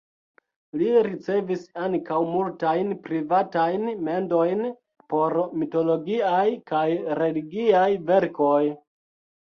Li ricevis ankaŭ multajn privatajn mendojn por mitologiaj kaj religiaj verkoj.